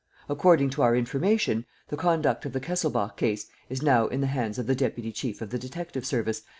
According to our information, the conduct of the Kesselbach case is now in the hands of the deputy chief of the detective service, M.